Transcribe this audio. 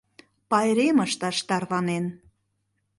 Пайрем ышташ тарванен.